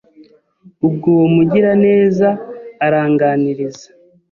Ubwo uwo mugiraneza aranganiriza